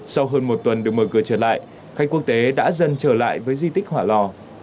sau hơn một tuần được mở cửa trở lại khách quốc tế đã dần trở lại với di tích hỏa lò